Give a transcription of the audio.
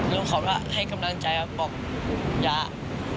ตาลอยแล้วเราบอกกรรมกราบว่ายังไงที่มือบอกกรรมกราบว่ายังไง